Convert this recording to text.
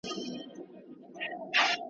موري که موړ یمه که وږی وړم درانه بارونه `